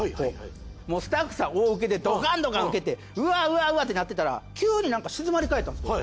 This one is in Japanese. もうスタッフさん大ウケでドカンドカンウケてうわうわうわってなってたら急に静まり返ったんですって。